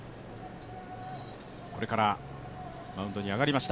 これからマウンドに上がりました。